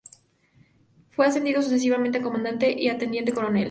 Fue ascendido sucesivamente a comandante y a teniente coronel.